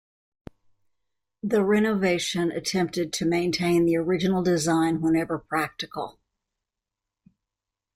The renovation attempted to maintain the original design whenever practical.